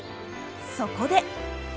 そこで！